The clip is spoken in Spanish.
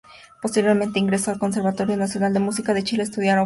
Posteriormente ingreso al Conservatorio Nacional de Música de Chile a estudiar ópera.